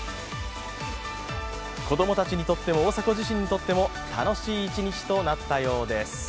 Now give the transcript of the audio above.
子供たちにとっても、大迫自身にとっても楽しい一日となったようです。